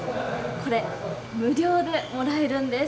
これ、無料でもらえるんです。